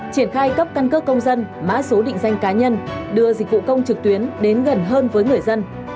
triển khai cấp căn cước công dân mã số định danh cá nhân đưa dịch vụ công trực tuyến đến gần hơn với người dân